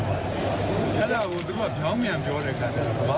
ออกมาสักที่จะส่วนการคอนดรีเด็กไทยเจ้าหน้านี้